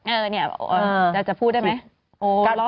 เออนี่แต่จะพูดได้ไหม